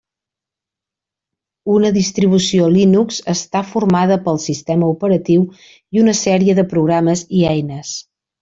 Una distribució Linux està formada pel sistema operatiu i una sèrie de programes i eines.